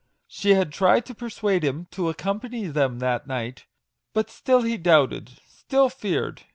She had tried to per suade him to accompany them that night, but still he doubted still feared.